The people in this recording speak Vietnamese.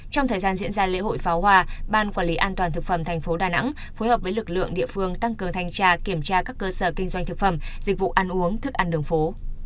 trong thời gian diễn ra lễ hội pháo hoa ban quản lý an toàn thực phẩm tp đà nẵng phối hợp với lực lượng địa phương tăng cường thanh tra kiểm tra các cơ sở kinh doanh thực phẩm dịch vụ ăn uống thức ăn đường phố